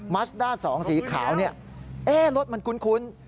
มัชด้านสองสีขาวนี่รถมันคุ้น